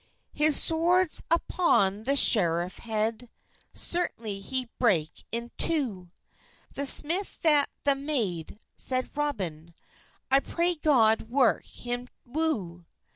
Hys sworde vpon the schireff hed Sertanly he brake in too; "The smyth that the made," seid Robyn, "I pray God wyrke him woo.